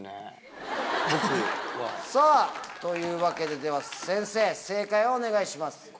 さぁというわけで先生正解をお願いします。